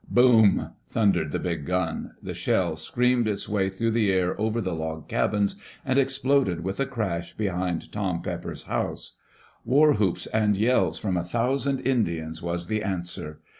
Boom I thundered the big gun. The shell screamed its way through the air over the log cabins and exploded with a crash behind Tom Pepper's house. Warwhoops and yells from a thousand Indians was the answer.